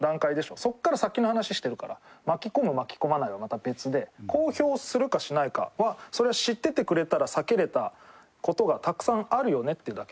そこから先の話してるから巻き込む巻き込まないはまた別で公表するかしないかはそれは知っててくれたら避けられた事がたくさんあるよねってだけですよ。